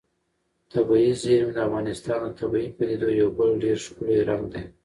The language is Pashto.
طبیعي زیرمې د افغانستان د طبیعي پدیدو یو بل ډېر ښکلی رنګ دی.